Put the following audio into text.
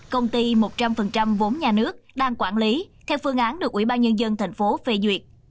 công ty một trăm linh vốn nhà nước đang quản lý theo phương án được ủy ban nhân dân tp phê duyệt